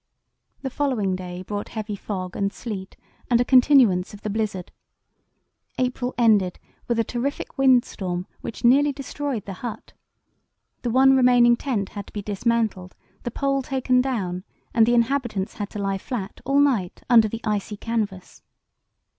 The following day brought heavy fog and sleet, and a continuance of the blizzard. April ended with a terrific windstorm which nearly destroyed the hut. The one remaining tent had to be dismantled, the pole taken down, and the inhabitants had to lie flat all night under the icy canvas.